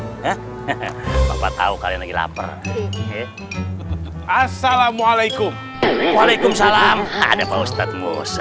hahaha bapak tahu kalian lagi lapar assalamualaikum waalaikumsalam ada pak ustadz musta